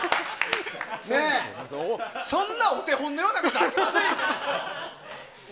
そんなお手本のようなミスありませんよ！